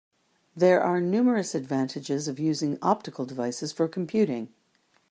There are numerous advantages of using optical devices for computing.